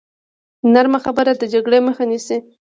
نرمه خبره د جګړې مخه نیسي.